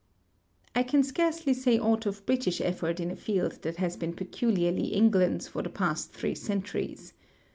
I can scarcely say aught of British effort in a field that has been peculiarly England's for the past three centuries.